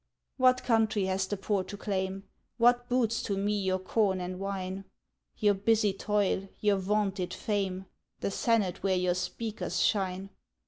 What country has the poor to claim? What boots to me your corn and wine, Your busy toil, your vaunted fame, The senate where your speakers shine?